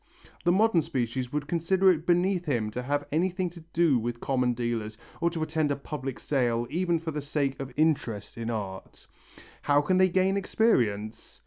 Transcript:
The modern species would consider it beneath him to have anything to do with common dealers or to attend a public sale even for the sake of interest in art. How can they gain experience?